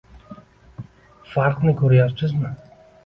Farqni ko‘ryapsizmi?